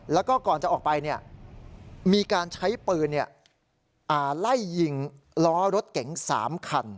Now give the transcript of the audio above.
แล้วก็ก่อนจะออกไปมีการใช้ปืนไล่ยิงล้อรถเก๋ง๓คัน